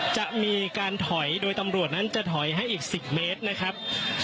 จะมีการถอยโดยตำรวจนั้นจะถอยให้อีก๑๐เมตรนะครับ